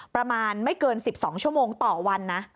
ประมาณไม่เกิน๑๒ชั่วโมงต่อวันนะ